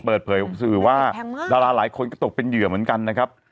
เปิดเผยสื่อว่าดาราหลายคนก็ตกเป็นเหยื่อเหมือนกันนะครับ